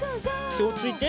てをついて。